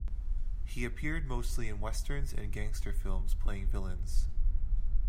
He appeared mostly in westerns and gangster films playing villains.